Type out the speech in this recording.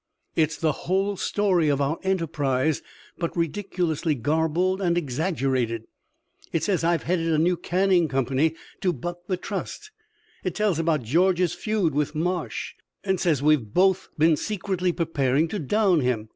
"It is the whole story of our enterprise, but ridiculously garbled and exaggerated. It says I have headed a new canning company to buck the trust. It tells about George's feud with Marsh, and says we have both been secretly preparing to down him.